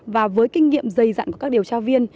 và với kinh nghiệm dày dặn của các điều tra viên